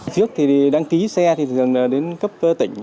trước thì đăng ký xe thì thường là đến cấp tỉnh